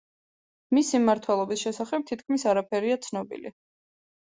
მისი მმართველობის შესახებ თითქმის არაფერია ცნობილი.